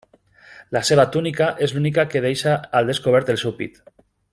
La seva túnica és l'única que deixa al descobert el seu pit.